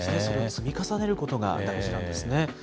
積み重ねることが大事なんですね。